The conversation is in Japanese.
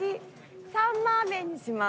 サンマー麺にします。